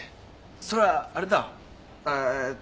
それはあれだえと